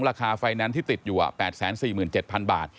ราคาไฟแนนซ์ที่ติดอยู่๘๔๗๐๐บาท